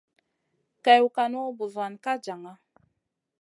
Kèwn kànu, buzuwan ka jaŋa.